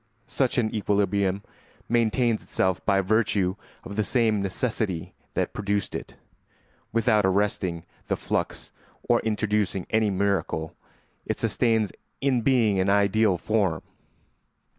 Such an equilibrium maintains itself by virtue of the same necessity that produced it; without arresting the flux or introducing any miracle, it sustains in being an ideal form.